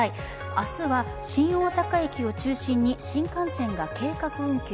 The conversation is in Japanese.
明日は新大阪駅を中心に新幹線が計画運休。